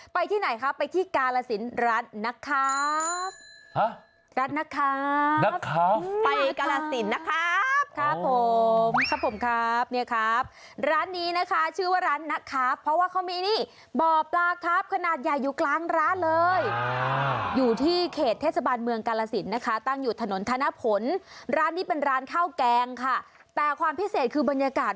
ไปที่ไหนคะไปที่กาลสินร้านนะครับ